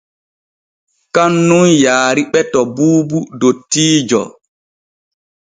Kan nun yaariɓe to Buubu dottiijo.